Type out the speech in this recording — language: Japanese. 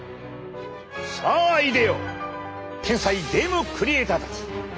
さあいでよ天才ゲームクリエーターたち。